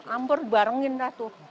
ambr barengin dah tuh